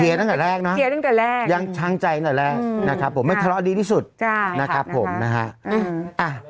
เฮียตั้งแต่แรกนะยังทังใจตอนแรกนะครับผมไม่ทะเลาะดีที่สุดนะครับผมนะฮะ